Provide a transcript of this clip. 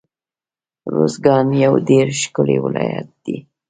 روزګان يو ډير ښکلی ولايت دی